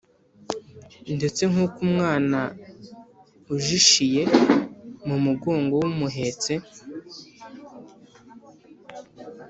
ndetse nk' uko umwana ujishiye mu mugongo w' umuhetse,